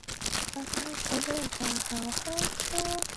后周设莘亭县。